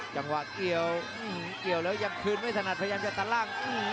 ก็เกี่ยวแล้วยังคืนไม่สนัดจะตารางขึ้น